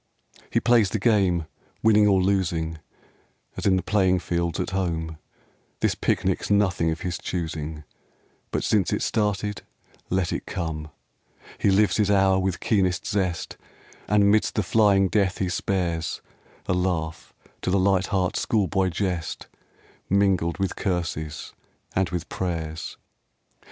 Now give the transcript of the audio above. He plays the game, winning or losing, As in the playing fields at home ; This picnic's nothing of his choosing, But since it's started, let it come I He lives his hour with keenest zest, And midst the flying death he spares A laugh to the light heart schoolboy jest, Mingled with curses and with prayers.